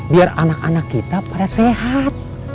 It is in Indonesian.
biar anak anak kita pada sehat